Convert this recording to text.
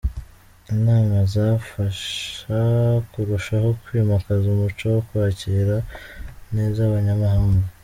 Inama zafasha kurushaho kwimakaza umuco wo kwakira neza abanyamahanga.